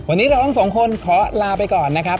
วันนี้เราทั้งสองคนขอลาไปก่อนนะครับ